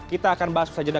kita akan bahas usaha jeda